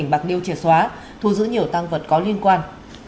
tỉnh bạc điêu triệt xóa thu giữ nhiều tăng vật có liên quan